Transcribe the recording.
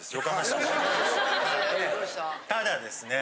ただですね。